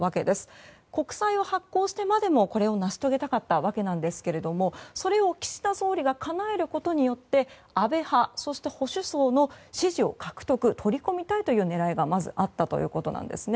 国債を発行してまでも、これを成し遂げたかったわけですがそれを岸田総理がかなえることによって安倍派そして保守層の支持を獲得取り込みたいという狙いがあったようなんですね。